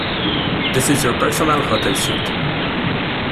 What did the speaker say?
This is your personal hotel suite.